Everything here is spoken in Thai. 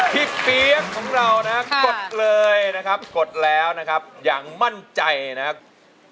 เปี๊ยกของเรานะครับกดเลยนะครับกดแล้วนะครับอย่างมั่นใจนะครับ